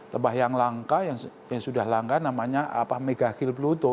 lebah yang langka yang sudah langka namanya megahil pluto